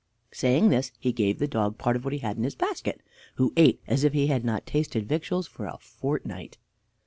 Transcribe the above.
Saying this, he gave the dog part of what he had in his basket, who ate as if he had not tasted victuals for a fortnight.